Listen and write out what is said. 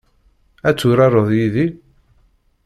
Ad turareḍ yid-i?